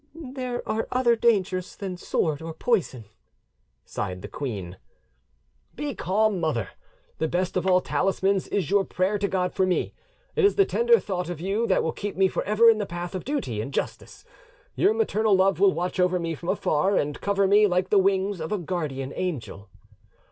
"There are other dangers than sword or poison," sighed the queen. "Be calm, mother: the best of all talismans is your prayer to God for me: it is the tender thought of you that will keep me for ever in the path of duty and justice; your maternal love will watch over me from afar, and cover me like the wings of a guardian angel."